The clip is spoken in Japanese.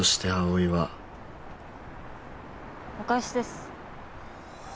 お返しです。